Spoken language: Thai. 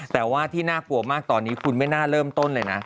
แต่ว่าที่น่ากลัวมากตอนนี้คุณไม่น่าเริ่มต้นเลยนะ